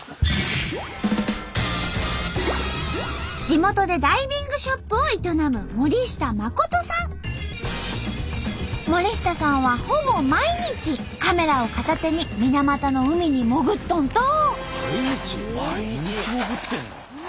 地元でダイビングショップを営む森下さんはほぼ毎日カメラを片手に水俣の海に潜っとんと！